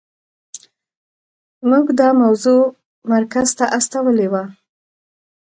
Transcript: موږ دا موضوع مرکز ته استولې وه.